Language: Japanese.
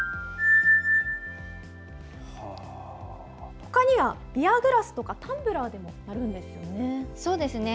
ほかには、ビアグラスとかタンブラーでも鳴るんですよね。